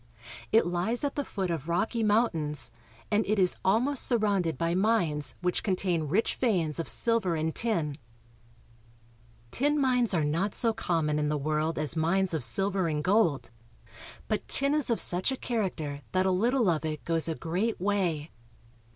It lies at the foot of rocky mountains, and it is almost sur rounded by mines which contain rich veins of silver and tin. MINERAL WEALTH. 99 Tin mines are not so common in the world as mines of silver and gold, but tin is of such a character that a little of it goes a great way.